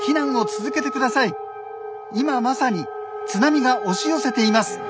今まさに津波が押し寄せています。